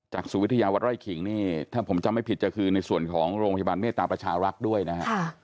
สุวิทยาวัดไร่ขิงนี่ถ้าผมจำไม่ผิดจะคือในส่วนของโรงพยาบาลเมตตาประชารักษ์ด้วยนะฮะ